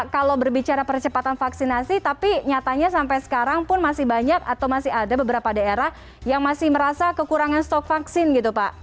kalau berbicara percepatan vaksinasi tapi nyatanya sampai sekarang pun masih banyak atau masih ada beberapa daerah yang masih merasa kekurangan stok vaksin gitu pak